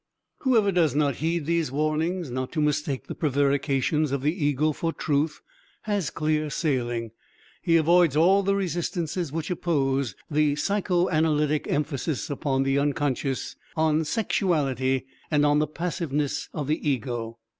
Whoever does not heed these warnings not to mistake the prevarications of the ego for truth, has clear sailing; he avoids all the resistances which oppose the psychoanalytic emphasis upon the unconscious, on sexuality, and on the passiveness of the ego.